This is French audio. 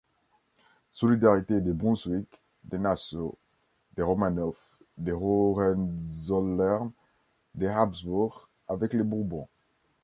Solidarité des Brunswick, des Nassau, des Romanoff, des Hohenzollern, des Habsburg, avec les Bourbons.